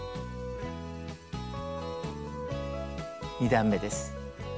２段めです。